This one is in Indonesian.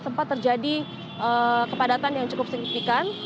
sempat terjadi kepadatan yang cukup signifikan